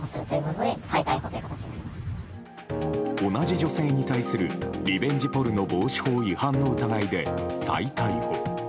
同じ女性に対するリベンジポルノ防止法違反の疑いで、再逮捕。